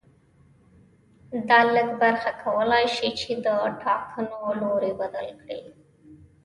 دا لږه برخه کولای شي چې د ټاکنو لوری بدل کړي